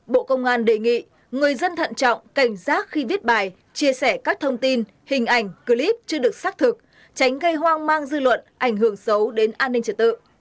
bộ công an đề nghị người dân thận trọng cảnh giác khi viết bài chia sẻ các thông tin hình ảnh clip chưa được xác thực tránh gây hoang mang dư luận ảnh hưởng xấu đến an ninh trật tự